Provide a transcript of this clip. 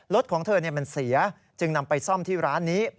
รถของเธอมันเสียจึงนำไปซ่อมที่ร้านนี้